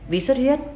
ví suất huyết